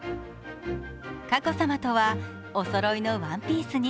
佳子さまとはおそろいのワンピースに